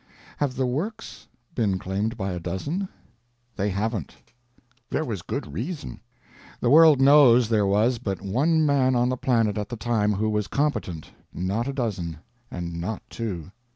Have the Works been claimed by a dozen? They haven't. There was good reason. The world knows there was but one man on the planet at the time who was competent—not a dozen, and not two.